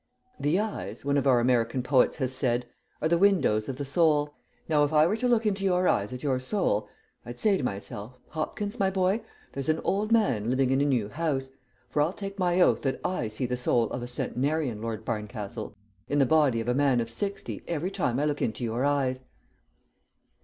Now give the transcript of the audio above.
"The eyes, one of our American poets has said, are the windows of the soul. Now if I were to look into your eyes at your soul, I'd say to myself, 'Hopkins, my boy, there's an old man living in a new house,' for I'll take my oath that I see the soul of a centenarian, Lord Barncastle, in the body of a man of sixty every time I look into your eyes."